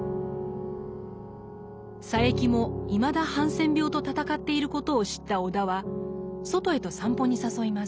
佐柄木もいまだハンセン病と闘っていることを知った尾田は外へと散歩に誘います。